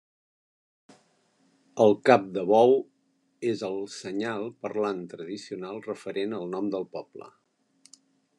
El cap de bou és el senyal parlant tradicional referent al nom del poble.